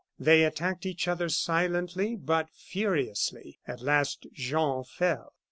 They attacked each other silently but furiously. At last Jean fell."